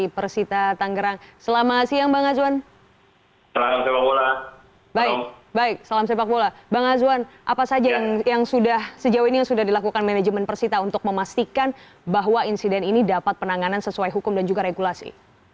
bang azwan apa saja yang sudah sejauh ini yang sudah dilakukan manajemen persita untuk memastikan bahwa insiden ini dapat penanganan sesuai hukum dan juga regulasi